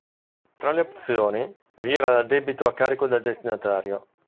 Tra le opzioni, vi era l'addebito a carico del destinatario.